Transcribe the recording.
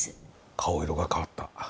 顔色が変わった。